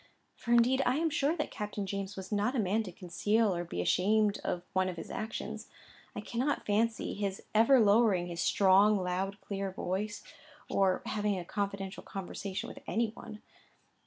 For, indeed I am sure that Captain James was not a man to conceal or be ashamed of one of his actions. I cannot fancy his ever lowering his strong loud clear voice, or having a confidental conversation with any one.